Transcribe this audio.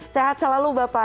sehat selalu bapak